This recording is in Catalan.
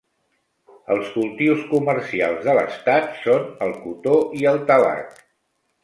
Els cultius comercials de l"estat són el cotó i el tabac.